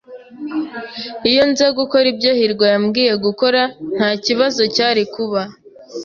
Iyo nza gukora ibyo hirwa yambwiye gukora, ntakibazo cyari kuba.